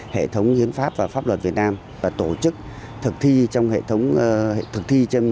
hệ thống hiến pháp và pháp luật việt nam và tổ chức thực thi trên thực tiễn